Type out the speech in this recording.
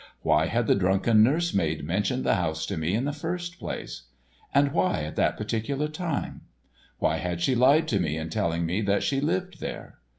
Why had the drunken nurse maid mentioned the house to me in the first place? And why at that particular time? Why had she lied to me in telling me that she lived there?